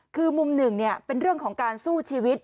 คือมุมหนึ่งเป็นเรื่องของการสู้ชีวิต